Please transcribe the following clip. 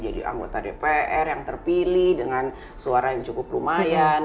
jadi anggota dpr yang terpilih dengan suara yang cukup lumayan